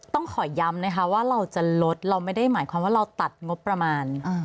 ต้องขอย้ำนะคะว่าเราจะลดเราไม่ได้หมายความว่าเราตัดงบประมาณ